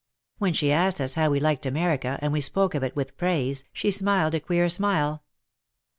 When she asked us how we liked America, and we spoke of it with praise, she smiled a queer smile.